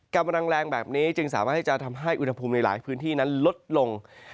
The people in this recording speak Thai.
กำลังแรงแบบนี้จึงสามารถที่จะทำให้อุณหภูมิในหลายพื้นที่นั้นลดลง